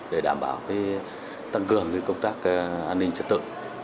để đảm bảo tăng cường công tác an ninh trật tự